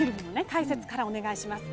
解説からお願いします。